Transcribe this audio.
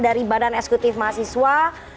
dari badan eksekutif mahasiswa